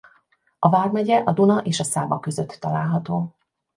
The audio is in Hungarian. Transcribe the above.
A vármegye a Duna és a Száva között található.